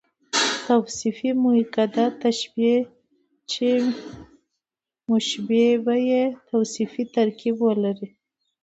توصيفي مؤکده تشبیه، چي مشبه به ئې توصیفي ترکيب ولري.